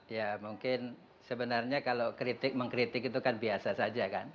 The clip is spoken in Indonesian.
ya mungkin sebenarnya kalau kritik mengkritik itu kan biasa saja kan